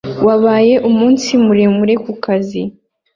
wabaye umunsi muremure ku kazi